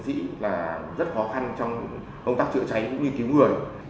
khi xảy ra cháy nổ việc chữa cháy gặp rất nhiều khó khăn